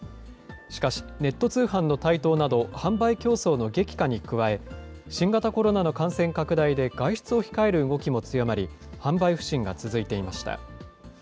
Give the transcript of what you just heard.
しかし、ネット通販の台頭など、販売競争の激化に加え、新型コロナの感染拡大で外出を控える動きも強まり、販売不振が続いていました。